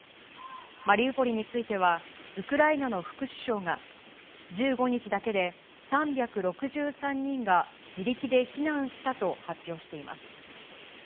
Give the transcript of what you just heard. マリウポリについては、ウクライナの副首相が、１５日だけで３６３人が、自力で避難したと発表しています。